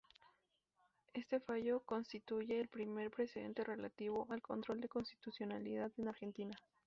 Este fallo constituye el primer precedente relativo al control de constitucionalidad en Argentina.